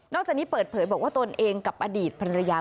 จากนี้เปิดเผยบอกว่าตนเองกับอดีตภรรยา